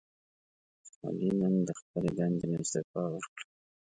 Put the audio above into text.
علي نن د خپلې دندې نه استعفا ورکړه.